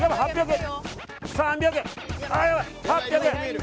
６００円！